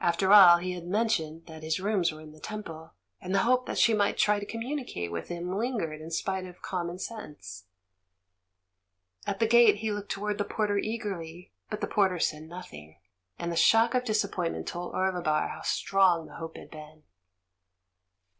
After all, he had mentioned that his rooms were in the Temple, and the hope that she might try to communicate with him lingered in spite of common sense. At the gate he looked towards the porter eagerly, but the porter said nothing, and the shock of disappointment told Orlebar how strong the hope had been.